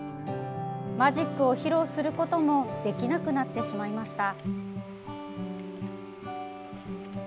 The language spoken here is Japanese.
マジックを披露することもできなくなってしまいました。